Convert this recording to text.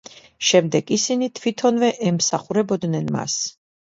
შემდეგ ისინი თვითონვე ემსახურებოდნენ მას.